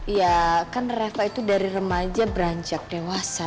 iya kan reva itu dari remaja beranjak dewasa